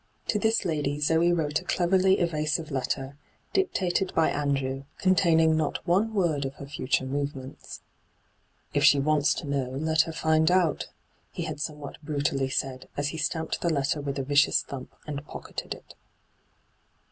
To this lady Zoe wrote a cleverly evasive letter, dictated by Andrew, hyGoogIc ENTRAPPED 117 containing not one word of her future move ' If she wants to know, let her find out,' he . had somewhat brutally said, as he stamped the letter with a vicious thump and pocketed it.